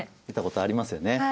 見たことありますよね。